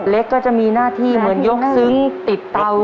ก็จะมีหน้าที่เหมือนยกซึ้งติดเตา